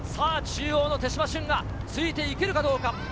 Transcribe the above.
中央の手島駿がついていけるかどうか。